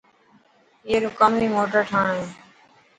اي رو ڪم ئي موٽر ٺاهڻ هي.